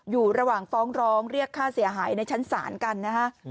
อยู่ระหว่างฟ้องร้องเรียกค่าเสียหายในชั้นศาลกันนะฮะ